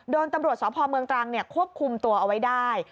ตำรวจสพเมืองตรังควบคุมตัวเอาไว้ได้